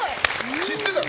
知ってたの？